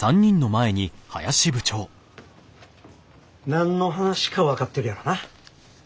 何の話か分かってるやろな。